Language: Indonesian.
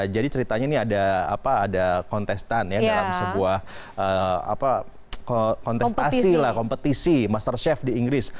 jadi ceritanya ini ada kontestan dalam sebuah kompetisi master chef di inggris